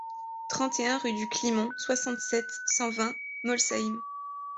trente et un rue du Climont, soixante-sept, cent vingt, Molsheim